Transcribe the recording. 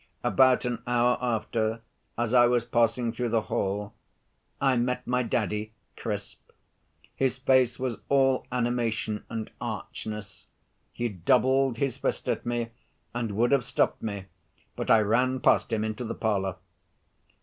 About an hour after, as I was passing through the hall, I met my daddy [Crisp]. His face was all animation and archness; he doubled his fist at me and would have stopped me, but I ran past him into the parlor.